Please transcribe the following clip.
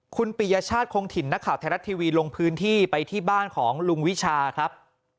คุณปิยชาติคงถิ่นนักข่าวไทยรัฐทีวีลงพื้นที่ไปที่บ้านของลุงวิชาครับ